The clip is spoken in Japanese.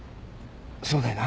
そうだよな。